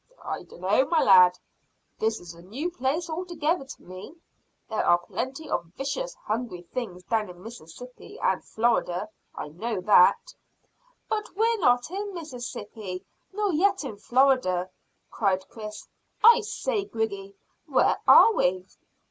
"I dunno, my lad. This is a new place altogether to me. There are plenty of vicious hungry things down in Mississippi and Florida, I know that." "But we're not in Mississippi nor yet in Florida," cried Chris. "I say, Griggy, where are we?"